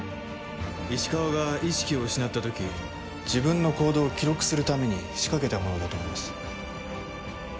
石川が意識を失った時自分の行動を記録するために仕掛けたものだと思います。